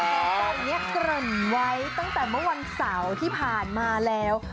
เหตุการณ์นี้เกริ่นไว้ตั้งแต่เมื่อวันเสาร์ที่ผ่านมาแล้ว